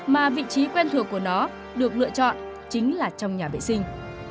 mà vị trí quen thuộc của nó được lựa chọn chính là trong nhà vệ sinh